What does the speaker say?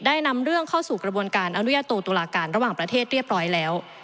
นำเรื่องเข้าสู่กระบวนการอนุญาโตตุลาการระหว่างประเทศเรียบร้อยแล้ว